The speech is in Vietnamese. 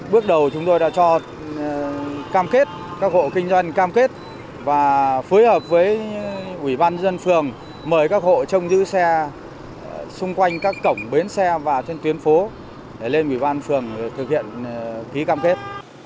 bước đầu chúng tôi đã cho cam kết các hộ kinh doanh cam kết và phối hợp với ủy ban dân phường mời các hộ trong giữ xe xung quanh các cổng bến xe và trên tuyến phố để lên ủy ban phường thực hiện ký cam kết